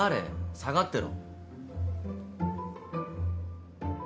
下がってろ。